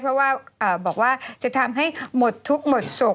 เพราะว่าจะทำให้หมดทุกข์หมดศุกร์